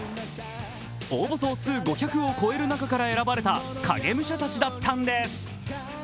応募総数５００の中から選ばれた影武者たちだったんです。